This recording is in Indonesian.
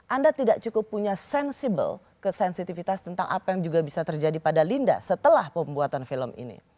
anda tidak cukup punya sensibel kesensitivitas tentang apa yang juga bisa terjadi pada linda setelah pembuatan film ini